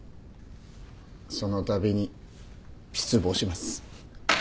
そのたびに失望します。